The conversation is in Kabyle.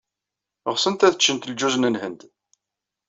Ɣsent ad ččent lǧuz n Lhend.